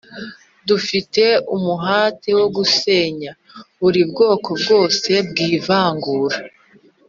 Dufite umuhate wo gusenya buri bwoko bwose bwivangura